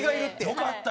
よかった！